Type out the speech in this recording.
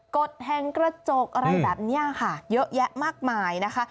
กฎแห่งกระจกอะไรแบบนี้ค่ะเยอะแยะมากมายนะคะ